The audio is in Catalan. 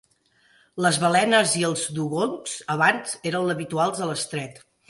Les balenes i els dugongs abans eren habituals a l'estret.